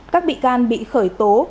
các bị can bị khởi tố